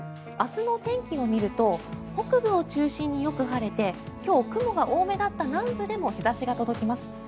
明日の天気を見ると北部を中心によく晴れて今日、雲が多めだった南部でも日差しが届きます。